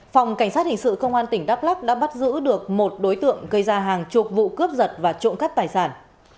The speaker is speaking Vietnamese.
phòng cảnh sát hình sự công an tỉnh đắk lắk đã bắt giữ được một đối tượng gây ra hàng chục vụ cướp giật và trộn cắt tài sản